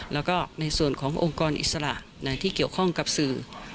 แล้วก็ในส่วนขององค์กรอิสระที่เกี่ยวข้องกับสื่อ